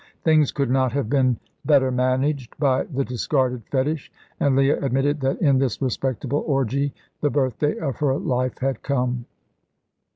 Things could not have been better managed by the discarded fetish, and Leah admitted that in this respectable orgy the birthday of her life had come.